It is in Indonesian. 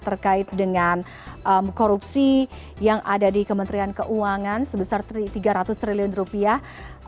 terkait dengan korupsi yang ada di kementerian keuangan sebesar tiga ratus triliun rupiah